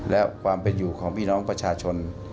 และความเป็นอยู่ของพี่น้องประชาชน